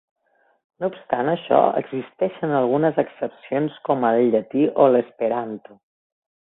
No obstant això, existeixen algunes excepcions com el llatí o l'esperanto.